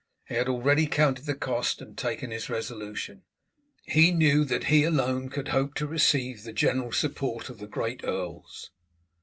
He had already counted the cost and taken his resolution. He knew that he alone could hope to receive the general support of the great earls.